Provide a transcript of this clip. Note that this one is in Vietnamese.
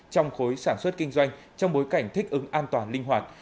trong khối sản xuất kinh doanh trong bối cảnh thích ứng an toàn linh hoạt